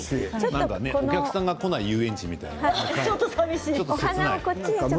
お客さんが来ない遊園地みたいなちょっと切ない。